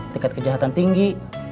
tingkat kejahatan tinggi